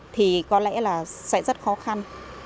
thì có lẽ là sẽ rất khó khăn